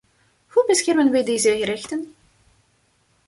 Hoe beschermen wij deze rechten?